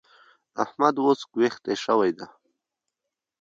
احمد اوس ګږوېښتی شوی دی.